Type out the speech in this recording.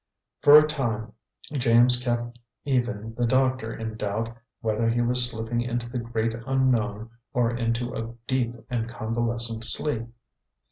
For a time James kept even the doctor in doubt whether he was slipping into the Great Unknown or into a deep and convalescent sleep.